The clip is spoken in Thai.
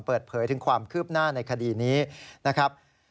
เปิดเผยถึงความคืบหน้าในคดีนี้นะครับ